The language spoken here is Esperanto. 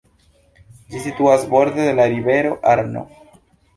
Ĝi situas borde de la rivero Arno.